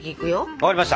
分かりました。